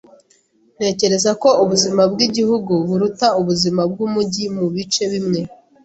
Ntekereza ko ubuzima bwigihugu buruta ubuzima bwumujyi mubice bimwe.